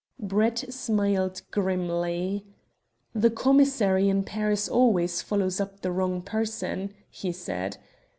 Brett smiled grimly. "The commissary in Paris always follows up the wrong person," he said.